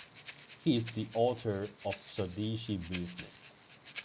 He is the author of "Swadeshi Movement".